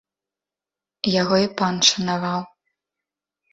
Яго і пан шанаваў.